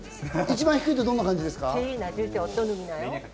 一番低いと、どんな感じですか？